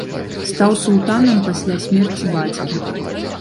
Стаў султанам пасля смерці бацькі.